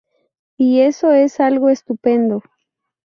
Y eso es algo estupendo".